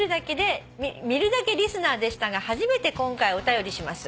「見るだけリスナーでしたが初めて今回お便りします」